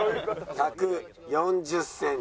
１４０センチ。